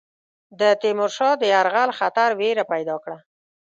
د تیمور شاه د یرغل خطر وېره پیدا کړه.